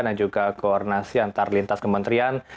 dan juga koordinasi antar lintas kementerian